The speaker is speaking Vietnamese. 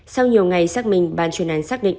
sau nhiều ngày xác minh ban chuyên án xác định